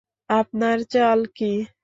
আপনার চাল কী?